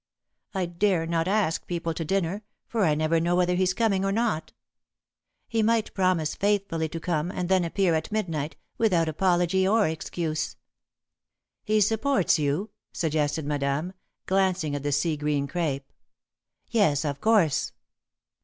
I dare not ask people to dinner, for I never know whether he's coming or not. He might promise faithfully to come, and then appear at midnight, without apology or excuse." [Sidenote: All Sorts of Subterfuges] "He supports you," suggested Madame, glancing at the sea green crêpe. "Yes, of course.